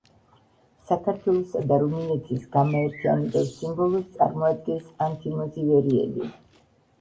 საქართველოსა და რუმინეთის გამაერთიანებელ სიმბოლოს წარმოადგენს ანთიმოზ ივერიელი.